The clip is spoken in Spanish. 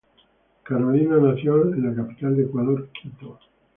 Carolina nació en la capital de Ecuador, Quito.